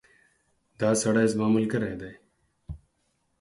دا سړی زما ملګری دی